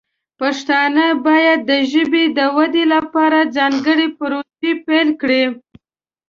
پښتانه باید د ژبې د ودې لپاره ځانګړې پروژې پیل کړي.